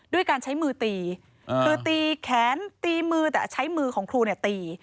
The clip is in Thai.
ด้วยการใช้มือตีคือตีแขนตีมือแต่ใช้มือของครูเนี่ยตี